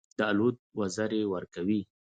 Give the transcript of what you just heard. د الوت وزرې ورکوي.